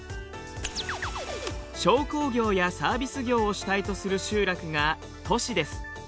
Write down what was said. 商工業やサービス業を主体とする集落が都市です。